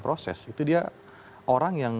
proses itu dia orang yang